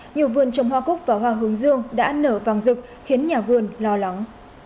nhiều vườn trồng hoa cúc và hoa hướng dương đã nở vàng rực khiến nhà vườn lo lắng